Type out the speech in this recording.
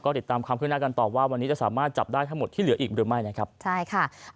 ติดตามความขึ้นหน้ากันต่อว่าวันนี้จะสามารถจับได้ทั้งหมดที่เหลืออีกหรือไม่นะครับใช่ค่ะ